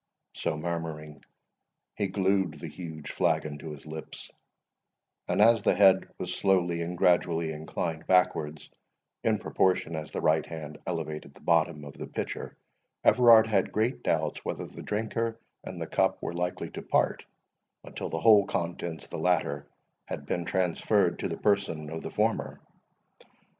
So murmuring, he glued the huge flagon to his lips, and as the head was slowly and gradually inclined backwards, in proportion as the right hand elevated the bottom of the pitcher, Everard had great doubts whether the drinker and the cup were likely to part until the whole contents of the latter had been transferred to the person of the former.